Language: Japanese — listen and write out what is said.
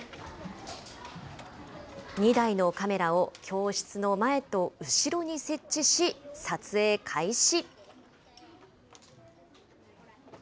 ２台のカメラを教室の前と後ろに設置し、撮影開始。